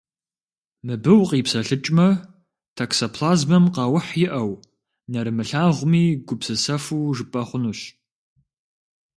Мыбы укъипсэлъыкӏмэ, токсоплазмэм къаухь иӏэу, нэрымылъагъуми, гупсысэфу жыпӏэ хъунущ.